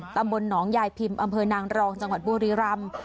ตำบลหนองยายพิมพ์อำเภอนางรองจังหวัดบุรีรำ